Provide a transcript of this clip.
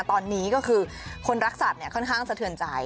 ตอนนี้ก็คือคนรักสัตว์ค่อนข้างสะเทือนใจ